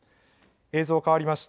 映像変わりました。